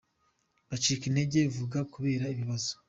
Bacika intege vuba kubera ibibazo,.